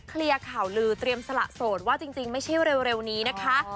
เคลียร์ข่าวลือเตรียมสละโสดว่าจริงไม่ใช่เร็วนี้นะคะ